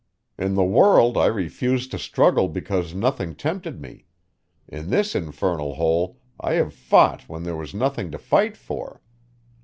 "In the world I refused to struggle because nothing tempted me; in this infernal hole I have fought when there was nothing to fight for.